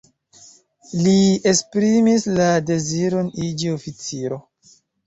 Li esprimis la deziron iĝi oficiro.